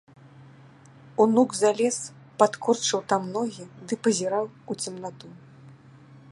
Унук залез, падкурчыў там ногі ды пазіраў у цемнату.